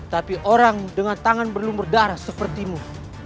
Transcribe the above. tapi orang dengan tangan berlumur darah seperti mu